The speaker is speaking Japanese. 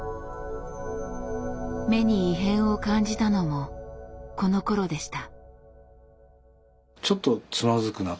目に異変を感じたのもこのころでした。